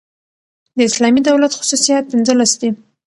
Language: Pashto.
د اسلامي دولت خصوصیات پنځلس دي.